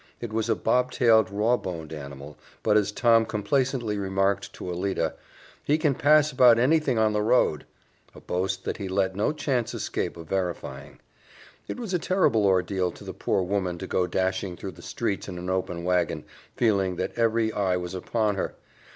It was a bobtailed, rawboned animal, but, as Tom complacently remarked to Alida, "He can pass about anything on the road" a boast that he let no chance escape of verifying. It was a terrible ordeal to the poor woman to go dashing through the streets in an open wagon, feeling that every eye was upon her.